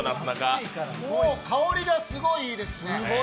香りがすごいいいですね。